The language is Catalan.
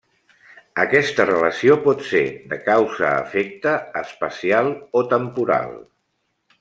Aquesta relació pot ser de causa-efecte, espacial o temporal.